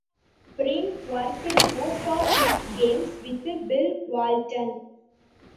Breen worked most of his games with Bill Walton.